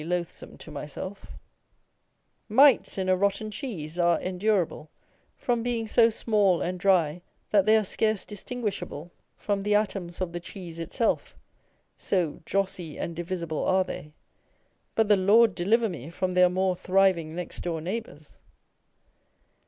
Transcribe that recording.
243 * Mites in a rotten elicese are endurable, from being so small and dry that they are scarce distinguishable from the atoms of the cheese itself, " so drossy and divisible are they :" but the Lord deliver me from their more thriving next door neighbours